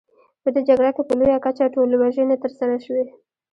په دې جګړه کې په لویه کچه ټولوژنې ترسره شوې.